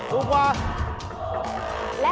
ถูกกว่า